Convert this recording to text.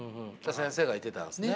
先生がいてたんですね。